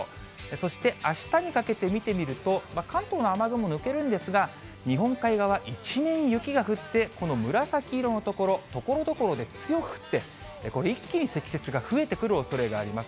そして、あしたにかけて見てみると、関東雨雲、抜けるんですが、日本海側、一面雪が降って、この紫色の所、ところどころで強く降って、一気に積雪が増えてくるおそれがあります。